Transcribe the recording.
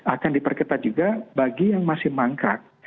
akan diperketat juga bagi yang masih mangkrak